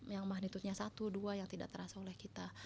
yang magnitudnya satu dua yang tidak terasa oleh kita